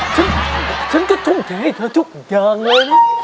ฉันฉันก็ทุ่มเทให้เธอทุกอย่างเลยนะ